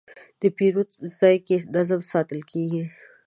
د پیرود ځای کې نظم ساتل کېږي.